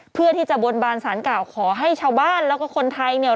เพื่อที่จะบนบานสารกล่าวขอให้ชาวบ้านแล้วก็คนไทยเนี่ย